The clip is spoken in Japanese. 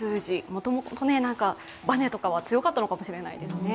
もともとバネとかは強かったのかもしれないですね。